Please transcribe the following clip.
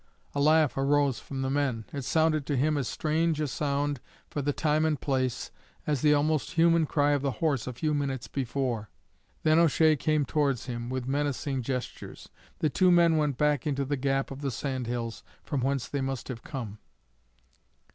A laugh arose from the men; it sounded to him as strange a sound, for the time and place, as the almost human cry of the horse a few minutes before. Then O'Shea came towards him with menacing gestures. The two men went back into the gap of the sand hills from whence they must have come.